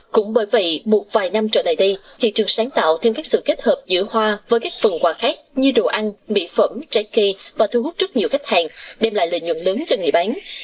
cũng bởi vậy một vài năm trở lại đây thị trường sáng tạo thêm các sự kết hợp giữa hoa với các phần quà khác như đồ ăn mỹ phẩm trái cây và thu hút rất nhiều khách hàng đem lại lợi nhuận lớn cho người bán